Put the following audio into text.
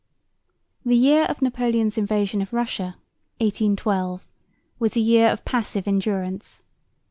The year of Napoleon's invasion of Russia, 1812, was a year of passive endurance.